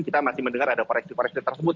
kita masih mendengar ada proyeksi proyeksi tersebut